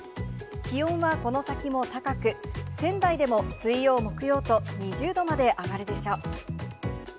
気温はこの先も高く、仙台でも水曜、木曜と２０度まで上がるでしょう。